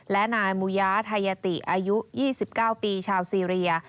และนายมูยาไทยติอายุ๒๙ปีชาวซีเรีย